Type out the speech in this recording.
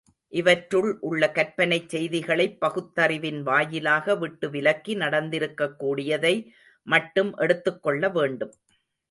இவற்றுள் உள்ள கற்பனைச் செய்திகளைப் பகுத்தறிவின் வாயிலாக விட்டு விலக்கி, நடந்திருக்கக் கூடியதை மட்டும் எடுத்துக் கொள்ள வேண்டும்.